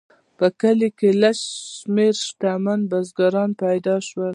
په کلیو کې لږ شمیر شتمن بزګران پیدا شول.